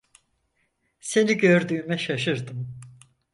Seni gördüğüme şaşırdım.